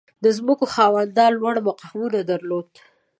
• د ځمکو خاوندان لوړ مقام درلود.